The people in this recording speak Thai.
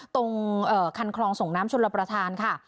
ตรงคันคลองส่งน้ำชนรับประทานค่ะ